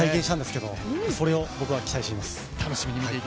それを僕は期待しています。